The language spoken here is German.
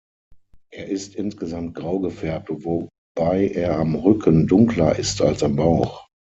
Er ist insgesamt grau gefärbt, wobei er am Rücken dunkler ist als am Bauch.